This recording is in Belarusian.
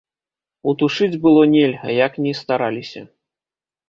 Утушыць было нельга, як ні стараліся.